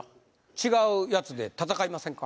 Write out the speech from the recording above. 違うやつで戦いませんか？